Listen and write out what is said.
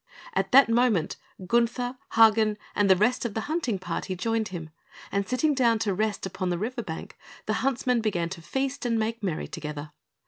At that moment, Gunther, Hagen, and the rest of the hunting party joined him, and sitting down to rest upon the river bank, the huntsmen began to feast and make merry together.